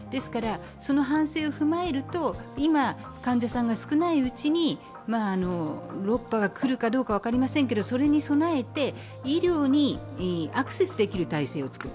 その反省を踏まえると、今、患者さんが少ないうちに、６波が来るかどうか分かりませんけれども、それに備えて医療にアクセスできる体制を作る。